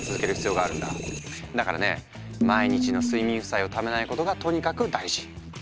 だからね毎日の睡眠負債をためないことがとにかく大事。